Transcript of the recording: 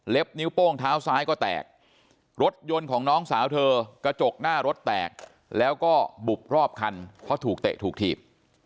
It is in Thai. นิ้วโป้งเท้าซ้ายก็แตกรถยนต์ของน้องสาวเธอกระจกหน้ารถแตกแล้วก็บุบรอบคันเพราะถูกเตะถูกถีบ